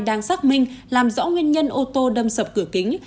đang xác minh làm rõ nguyên nhân ô tô đâm sập cửa kính